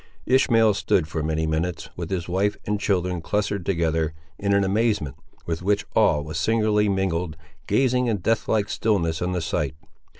Ishmael stood for many minutes, with his wife and children clustered together, in an amazement, with which awe was singularly mingled, gazing in death like stillness on the sight.